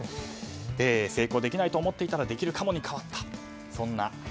成功できないと思っていたらできるかもに変わった。